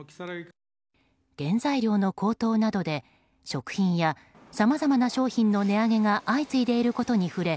原材料の高騰などで食品やさまざまな商品の値上げが相次いでいることに触れ